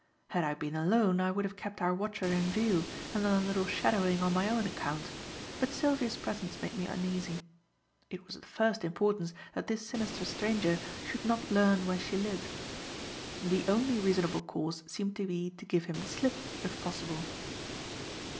Had I been alone I would have kept our watcher in view and done a little shadowing on my own account; but Sylvia's presence made me uneasy. It was of the first importance that this sinister stranger should not learn where she lived. The only reasonable course seemed to be to give him the slip if possible.